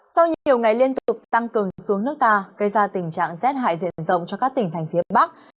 sau nhiều ngày liên tục tăng cường xuống nước ta gây ra tình trạng rét hại diện rộng cho các tỉnh thành phía bắc